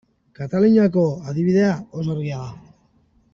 Kataluniako adibidea oso argia da.